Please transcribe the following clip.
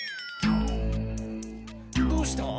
どうした？